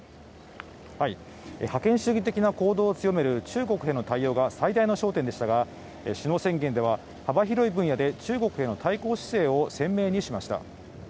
覇権主義的な行動を強める中国への対応が最大の焦点でしたが首脳宣言では幅広い分野で中国への対抗姿勢を示しました。